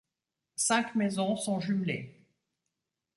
Cinq maisons sont jumelées.